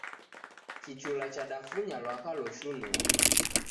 Kichula chadafunya lwaka loshunua.